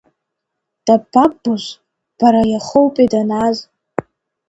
Дабаббоз, бара, иахоупеи данааз?